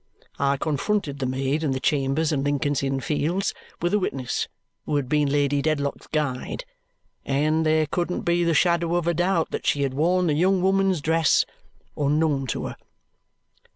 I confronted the maid in the chambers in Lincoln's Inn Fields with a witness who had been Lady Dedlock's guide, and there couldn't be the shadow of a doubt that she had worn the young woman's dress, unknown to her.